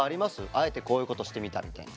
あえてこういうことしてみたみたいな。